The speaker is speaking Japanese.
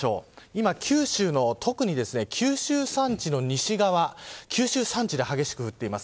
今、九州の特に九州山地の西側九州山地で激しく降っています。